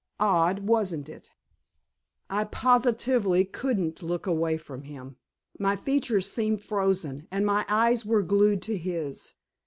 Odd, wasn't it?" I positively couldn't look away from him. My features seemed frozen, and my eyes were glued to his.